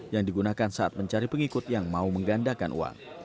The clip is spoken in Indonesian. yang digunakan saat mencari pengikut yang mau menggandakan uang